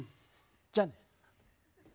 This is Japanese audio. じゃあね。